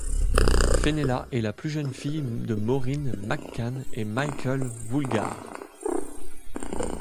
Fenella est la plus jeune fille de Maureen McCann et Michael Woolgar.